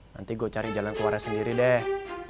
nanti gue cari jalan keluarnya sendiri deh